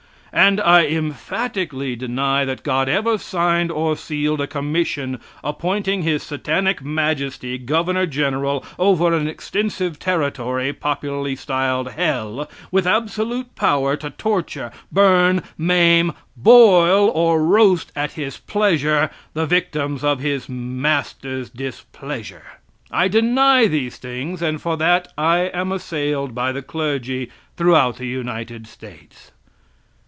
And I emphatically deny that God ever signed or sealed a commission appointing his satanic majesty governor general over an extensive territory popularly styled hell, with absolute power to torture, burn, maim, boil, or roast at his pleasure the victims of his master's displeasure! I deny these things, and for that I am assailed by the clergy throughout the United States.